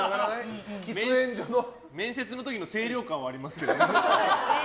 面接の時に清涼感はありますけどね。